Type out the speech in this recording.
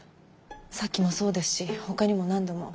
さっきもそうですし他にも何度も。